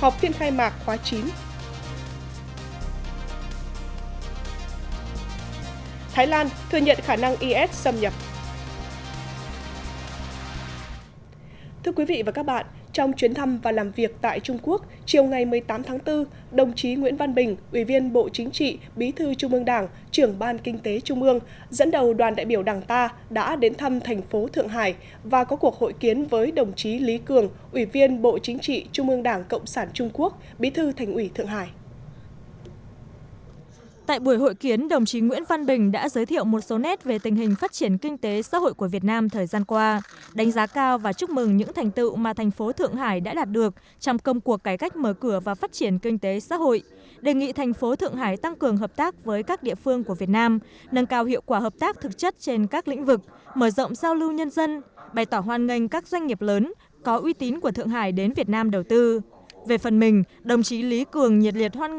đồng chí lý cường nhiệt liệt hoan nghênh đồng chí nguyễn văn bình và đoàn đại biểu đảng cộng sản việt nam thăm thành phố thượng hải giới thiệu về tình hình phát triển kinh tế xã hội đi sâu trao đổi ý kiến về phương hướng tăng cường hợp tác giữa thành phố thượng hải với việt nam trong thời gian tới